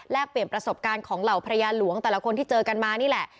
เปลี่ยนประสบการณ์ของเหล่าภรรยาหลวงแต่ละคนที่เจอกันมานี่แหละ